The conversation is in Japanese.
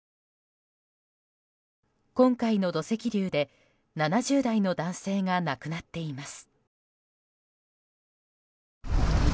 今回の土石流で、７０代の男性が亡くなっています。